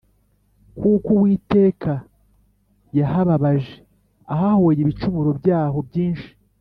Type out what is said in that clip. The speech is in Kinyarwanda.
Kuko Uwiteka yahababaje ahahoye ibicumuro byaho byinshi